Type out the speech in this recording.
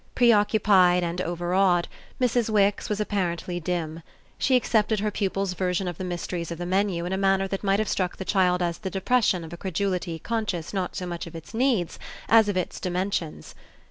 Preoccupied and overawed, Mrs. Wix was apparently dim: she accepted her pupil's version of the mysteries of the menu in a manner that might have struck the child as the depression of a credulity conscious not so much of its needs as of its dimensions.